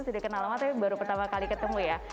sudah kenal lama tapi baru pertama kali ketemu ya